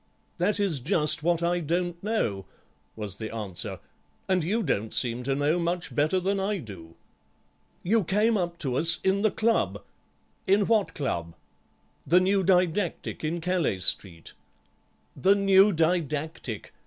"That is just what I don't know," was the answer; "and you don't seem to know much better than I do." "You came up to us in the club—" "In what club?" "The New Didactic, in Calais Street." "The New Didactic!"